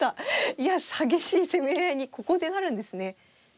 いや激しい攻め合いにここでなるんですね。